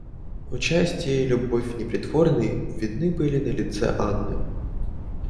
Участие и любовь непритворные видны были на лице Анны.